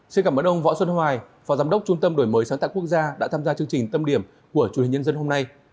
xin cảm ơn ông võ xuân hoài phó giám đốc trung tâm đổi mới sáng tạo quốc gia đã tham gia chương trình tâm điểm của chủ hình nhân dân hôm nay